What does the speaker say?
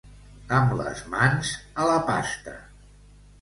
Amb les mans a la pasta.